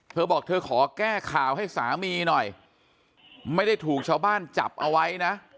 เธอบอกเธอขอแก้ข่าวให้สามีหน่อยไม่ได้ถูกชาวบ้านจับเอาไว้นะ